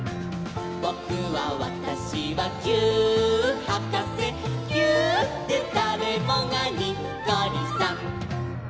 「ぼくはわたしはぎゅーっはかせ」「ぎゅーっでだれもがにっこりさん！」